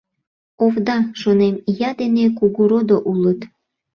«Овда, — шонем, — ия дене кугу родо улыт.